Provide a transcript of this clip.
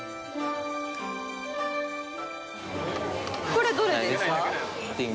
これ、どれですか？